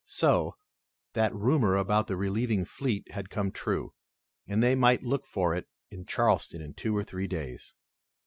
So, that rumor about the relieving fleet had come true and they might look for it in Charleston in two or three days.